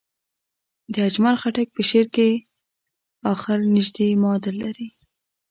د اجمل خټک په شعر کې اخر نژدې معادل لري.